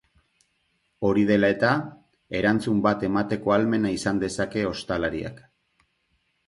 Hori dela eta, erantzun bat emateko ahalmena izan dezake ostalariak.